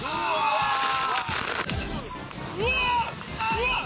うわっ